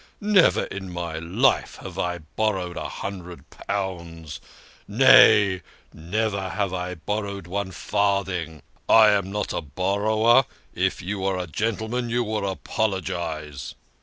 Never in my life have I borrowed a hundred pounds nay, never have I borrowed one farthing. I am no borrower. If you are a gentleman, you will apologise